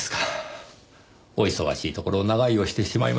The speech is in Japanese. お忙しいところ長居をしてしまいました。